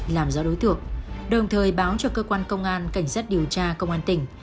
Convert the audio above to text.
làm rõ đối tượng đồng thời báo cho cơ quan công an cảnh sát điều tra công an tỉnh